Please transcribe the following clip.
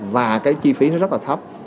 và cái chi phí nó rất là thấp